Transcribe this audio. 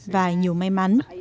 và nhiều may mắn